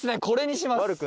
これにします。